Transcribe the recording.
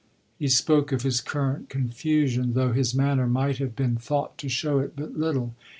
He spoke of his current confusion, though his manner might have been thought to show it but little.